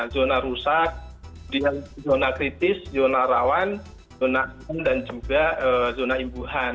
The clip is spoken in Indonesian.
zona rusak zona kritis zona rawan zona imbu dan juga zona imbuan